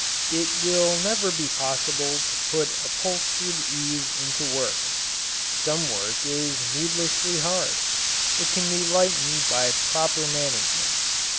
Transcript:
It will never be possible to put upholstered ease into work. Some work is needlessly hard. It can be lightened by proper management.